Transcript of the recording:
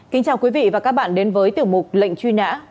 kính chào quý vị và các bạn đến với tiểu mục lệnh truy nã